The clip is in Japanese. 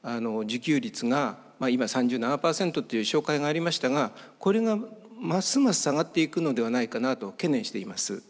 自給率が今３７％っていう紹介がありましたがこれがますます下がっていくのではないかなと懸念しています。